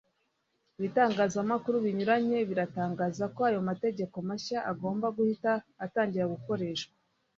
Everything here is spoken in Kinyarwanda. Ibitanganzamakuru binyuranye biratangaza ko ayo mategeko mashya agomba guhita atangira gukoreshwa